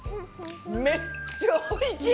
めっちゃおいしい！